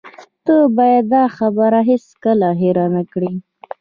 ته باید دا خبره هیڅکله هیره نه کړې